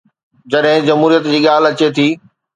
جڏهن جمهوريت جي ڳالهه اچي ٿي.